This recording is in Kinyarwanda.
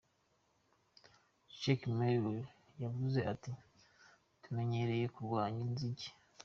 Chekmarev yavuze ati "Tumenyereye kurwanya inzige.